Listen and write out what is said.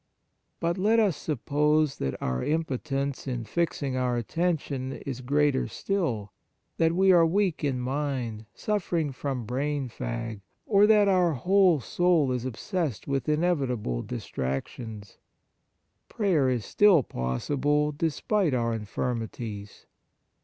But let us suppose that our im potence in fixing our attention is greater still ; that we are weak in mind, suffering from brain fag, or that our whole soul is obsessed with inevitable distractions, prayer is still possible despite our infirmities.